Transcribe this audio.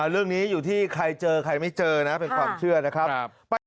เรื่องนี้อยู่ที่ใครเจอใครไม่เจอนะเป็นความเชื่อนะครับ